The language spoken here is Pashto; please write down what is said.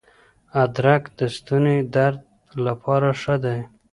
ادرک د ستوني درد لپاره ښه دی.